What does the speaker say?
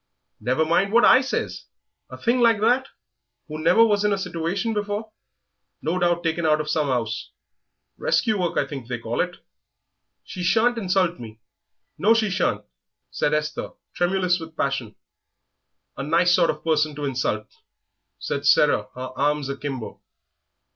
"Never mind what I says! ...A thing like that, who never was in a situation before; no doubt taken out of some 'ouse. Rescue work, I think they call it " "She shan't insult me no, she shan't!" said Esther, tremulous with passion. "A nice sort of person to insult!" said Sarah, her arms akimbo.